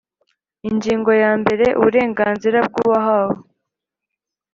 Ingingo yambere Uburenganzira bw uwahawe